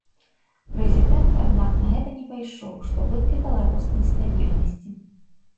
Прэзідэнт, аднак, на гэта не пайшоў, што выклікала рост нестабільнасці.